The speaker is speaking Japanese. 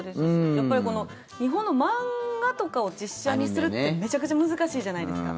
やっぱり、日本の漫画とかを実写にするってめちゃくちゃ難しいじゃないですか。